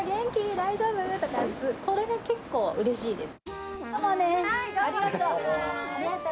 大丈夫？とか、それが結構うれしいです。